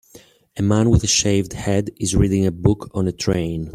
A man with a shaved head is reading a book on a train.